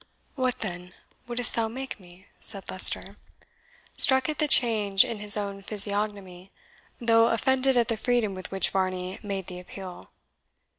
"What, then, wouldst thou make me?" said Leicester, struck at the change in his own physiognomy, though offended at the freedom with which Varney made the appeal.